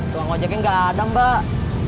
tukang ojeknya gak ada mbak